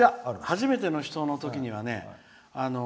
初めての人のときにはね